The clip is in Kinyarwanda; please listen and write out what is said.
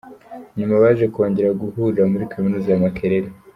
Nyuma baje kongera guhurira muri kaminuza ya Makerere.